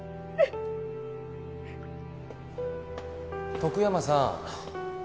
徳山さん。